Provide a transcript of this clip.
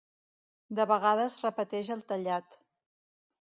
De vegades repeteix el tallat.